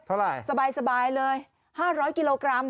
เท่าไหร่สบายเลย๕๐๐กิโลกรัม